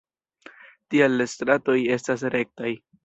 Tial la stratoj estas rektaj.